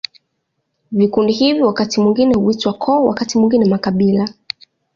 Vikundi hivi wakati mwingine huitwa koo, wakati mwingine makabila.